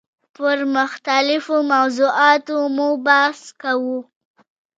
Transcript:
پر مختلفو موضوعاتو مو بحث کاوه.